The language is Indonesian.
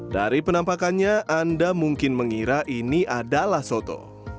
dari penampakannya anda mungkin mengira ini adalah soto